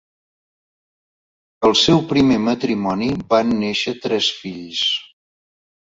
Del seu primer matrimoni van néixer tres fills.